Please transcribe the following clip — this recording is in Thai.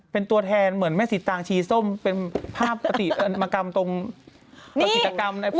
เป็นตัวแทนเหมือนแม่สิตางชีส้มเป็นภาพประติมกรรมตรงกิจกรรมในฝ่ามหนัก